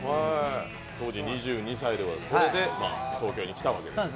当時２２歳でこれで東京に来たわけや。